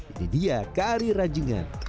ini dia kari ranjungan